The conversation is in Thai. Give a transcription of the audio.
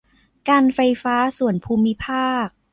การไฟฟ้าส่วนภูมิภาค